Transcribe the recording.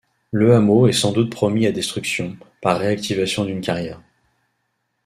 Le hameau est sans doute promis à destruction, par réactivation d'une carrière...